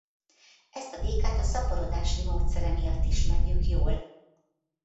Ezt a békát a szaporodási módszere miatt ismerjük jól.